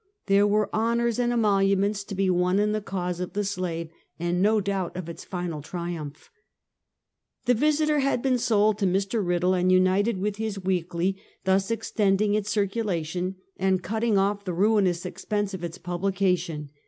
There were honors and emoluments to be won in the ca, use of the slave, and no doubt of its final triumph. The Visiter had been sold to Mr. Riddle and united with his weekly, thus extending its circulation, and cutting off the ruinous expense of its publication.